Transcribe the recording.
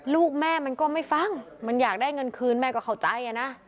ลูกแม่มันก็ไม่ฟังมันอยากได้เงินคืนแม่ก็เข้าใจนะ